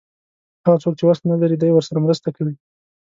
هغه څوک چې وس نه لري دی ورسره مرسته کوي.